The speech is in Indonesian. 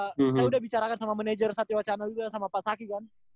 saya udah saya udah bicarakan sama manajer kesatiawacana juga sama pak saki kan